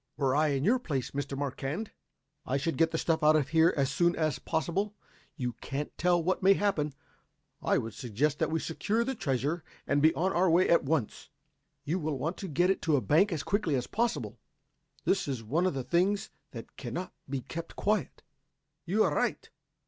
"Were I in your place, Mr. Marquand, I should get the stuff out of here as soon as possible. You can't tell what may happen. I would suggest that we secure the treasure and be on our way at once. You will want to get it to a bank as quickly as possible. This is one of the things that cannot be kept quiet." "You are right.